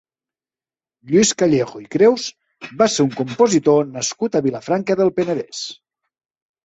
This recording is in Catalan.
Lluís Callejo i Creus va ser un compositor nascut a Vilafranca del Penedès.